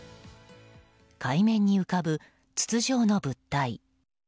海面に浮かぶ筒状の物体。